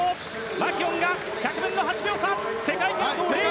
マキュオンが１００分の８秒差。